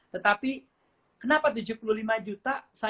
tetapi kenapa tujuh puluh lima juta